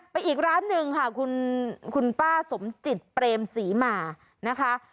อีกร้านหนึ่งค่ะคุณป้าสมจิตเปรมศรีมานะคะ